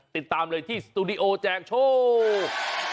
ติดตามเลยที่สตูดิโอแจกโชค